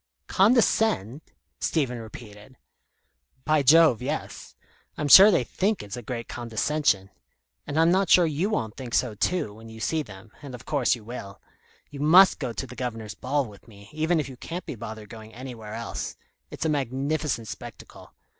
"Condescend!" Stephen repeated. "By Jove, yes. I'm sure they think it's a great condescension. And I'm not sure you won't think so too, when you see them as of course you will. You must go to the Governor's ball with me, even if you can't be bothered going anywhere else. It's a magnificent spectacle.